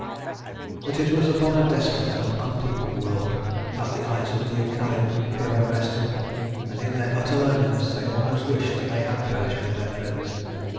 But it was upon a desolate and unpeopled world that the eyes of Deucalion and Pyrrha rested, and in their utter loneliness they almost wished that they had perished with their friends.